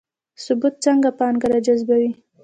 ثبات څنګه پانګه راجذبوي؟